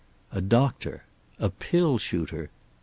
A doctor. A pill shooter.